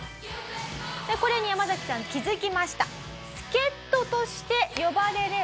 これにヤマザキさん気づきました。